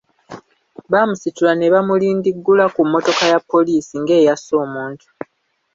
Baamusitula ne bamulindiggula ku mmotoka ya poliisi nga eyasse omuntu.